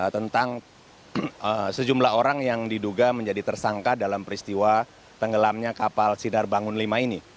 tentang sejumlah orang yang diduga menjadi tersangka dalam peristiwa tenggelamnya kapal sinar bangun v ini